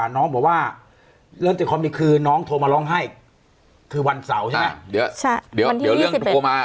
น้องบอกว่าเรื่องติดความดีคือน้องโทรมาร้องไห้คือวันเสาร์ใช่ไหมเดี๋ยวเรื่องโทรมา